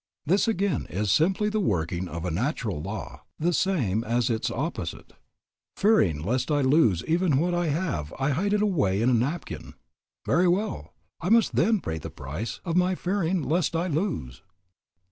This again is simply the working of a natural law, the same as is its opposite. Fearing lest I lose even what I have I hide it away in a napkin. Very well. I must then pay the price of my "fearing lest I lose."